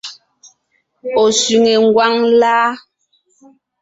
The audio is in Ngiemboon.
Ɔ̀ sẅiŋe ngwáŋ láa?